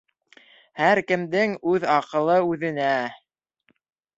Һәр кемдең үҙ аҡылы үҙенә.